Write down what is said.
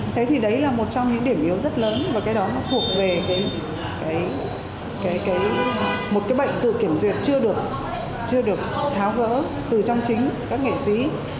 thế thì đấy là một trong những điểm yếu rất lớn và cái đó nó thuộc về một cái bệnh tự kiểm duyệt chưa được chưa được tháo gỡ từ trong chính các nghệ sĩ